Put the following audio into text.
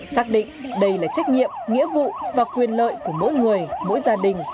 xác định đây là trách nhiệm nghĩa vụ và quyền lợi của mỗi người mỗi gia đình